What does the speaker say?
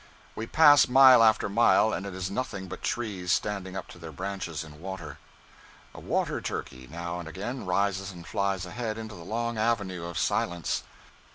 We pass mile after mile, and it is nothing but trees standing up to their branches in water. A water turkey now and again rises and flies ahead into the long avenue of silence.